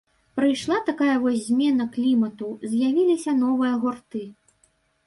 Прыйшла такая вось змена клімату, з'явіліся новыя гурты.